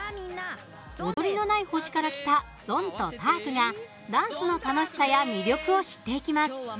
踊りのない星から来たゾンとタークがダンスの楽しさや魅力を知っていきます。